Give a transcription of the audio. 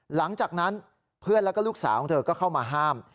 หลังจากนั้นเพื่อนแล้วก็ลูกสาวของเธอก็เข้ามาห้าม